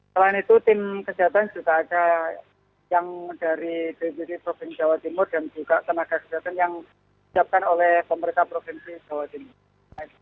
selain itu tim kesehatan juga ada yang dari dprjj dan juga tenaga kesehatan yang diadakan oleh pemerintah provinsi jawa timur